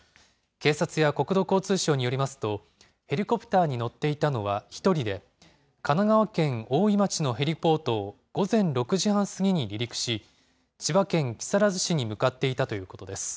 警察や国土交通省によりますと、ヘリコプターに乗っていたのは１人で、神奈川県大井町のヘリポートを午前６時半過ぎに離陸し、千葉県木更津市に向かっていたということです。